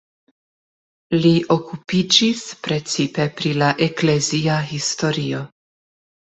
Li okupiĝis precipe pri la eklezia historio.